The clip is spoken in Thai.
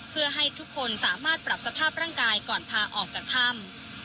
เพื่อให้ทุกคนสามารถปรับสภาพร่างกายก่อนพาออกจากถ้ำ